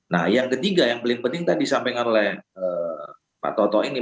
nah yang ketiga yang paling penting tadi disampaikan oleh pak toto ini